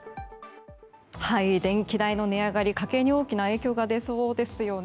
電気代の値上がり、家計に大きな影響が出そうですよね。